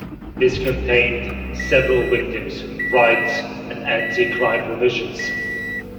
This contained several victims' rights and anti-crime provisions.